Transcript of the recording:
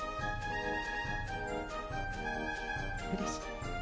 うれしい？